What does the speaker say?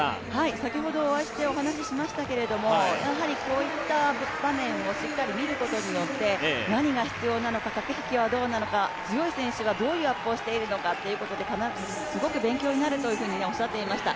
先ほどお会いしてお話しましたけれども、こういった場面をしっかり見ることによって強い選手がどういうアップをしているのかということですごく勉強になるとおっしゃっていました。